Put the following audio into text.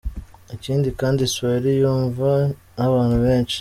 Ikindi kandi Swahili yumvwa nabantu benshi.